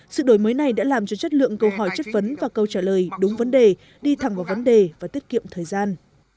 sự đổi mới này đã làm cho chất lượng câu hỏi chất vấn và câu trả lời đúng vấn đề đi thẳng vào vấn đề và tiết kiệm thời gian